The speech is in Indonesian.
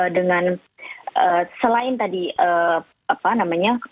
dengan selain tadi apa namanya